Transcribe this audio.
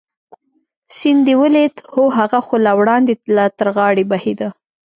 سیند دې ولید؟ هو، هغه خو له وړاندې لا تر غاړې بهېده.